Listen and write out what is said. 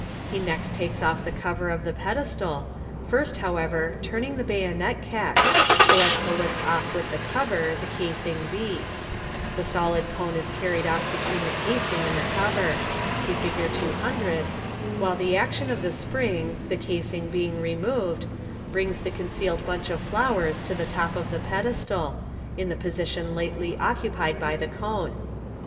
He next takes off the cover of the pe destal, first, however, turning the bayonet catch, so as to lift off with the cover the casing b* The solid cone is carried off between the casing and the cover (see Fig. 200), while the action of the spring, the casing being removed, brings the concealed bunch of flowers to the top of Fig. 20a MODERN MAGTC* 367 the pedestal, in the position lately occupied by the cone.